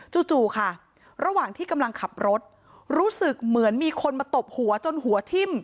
จู่ค่ะระหว่างที่กำลังขับรถรู้สึกเหมือนมีคนมาตบหัวจนหัวทิ้ม